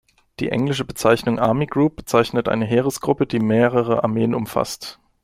Die englische Bezeichnung "army group" bezeichnet eine Heeresgruppe, die mehrere Armeen umfasst.